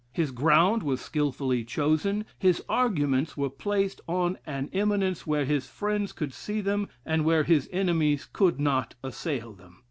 His ground was skilfully chosen, his arguments were placed on an eminence where his friends could see them, and where his enemies could not assail them.